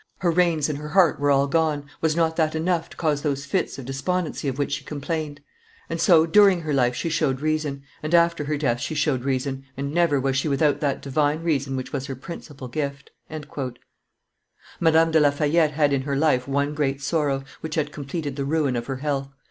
Her reins and her heart were all gone was not that enough to cause those fits of despondency of which she complained? And so, during her life, she showed reason, and after death she showed reason, and never was she without that divine reason which was her principal gift." Madame de La Fayette had in her life one great sorrow, which had completed the ruin of her health.